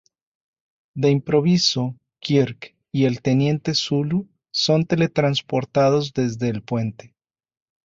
De improviso, Kirk y el teniente Sulu son teletransportados desde el puente.